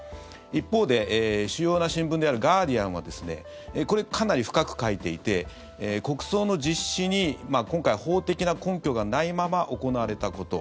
一方で主要な新聞であるガーディアンはこれ、かなり深く書いていて国葬の実施に今回、法的な根拠がないまま行われたこと。